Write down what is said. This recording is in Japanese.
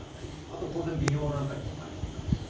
あと当然美容なんかにもお金は使ってますね。